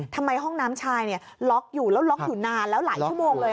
ทำไมห้องน้ำชายล็อกอยู่แล้วล็อกอยู่นานแล้วหลายชั่วโมงเลย